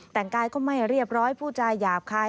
แต่งกายก็ไม่เรียบร้อยผู้จาหยาบคาย